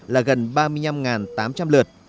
đa khoa khu vực là gần ba mươi năm tám trăm linh lượt